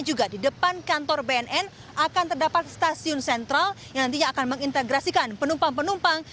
juga di depan kantor bnn akan terdapat stasiun sentral yang nantinya akan mengintegrasikan penumpang penumpang